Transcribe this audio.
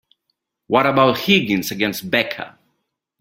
What about Higgins against Becca?